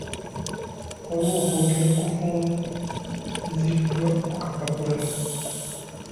Waliwo okwogera okufunziddwa ku kapapula.